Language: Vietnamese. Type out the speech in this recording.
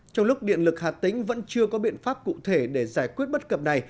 trong lúc điện lực hà tĩnh vẫn chưa có biện pháp cụ thể để giải quyết bất cập này